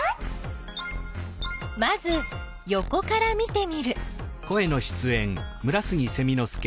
まずよこから見てみる。